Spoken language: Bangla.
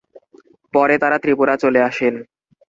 পরে তারা ত্রিপুরা চলে আসেন।